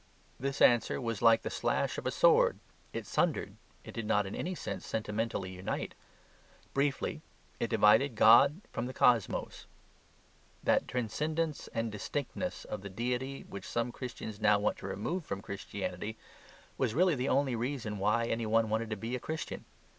This answer was like the slash of a sword; it sundered; it did not in any sense sentimentally unite. Briefly, it divided God from the cosmos. That transcendence and distinctness of the deity which some Christians now want to remove from Christianity, was really the only reason why any one wanted to be a Christian.